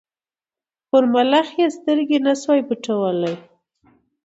پر ملخ یې سترګي نه سوای پټولای